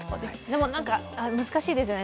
なんか難しいですよね。